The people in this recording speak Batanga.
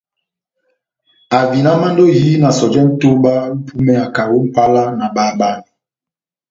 Ahavinamandi ó ehiyi na sɔjɛ nʼtoba ó ipúmeya kaho ó Mʼpala na bahabanɛ.